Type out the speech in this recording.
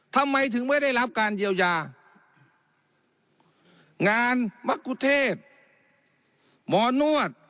ทำไมถึงไม่ได้รับการเยียวยางานมะกุเทศหมอนวด